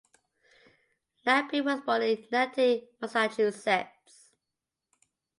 Lampitt was born in Natick, Massachusetts.